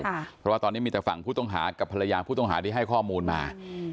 เพราะว่าตอนนี้มีแต่ฝั่งผู้ต้องหากับภรรยาผู้ต้องหาที่ให้ข้อมูลมาอืม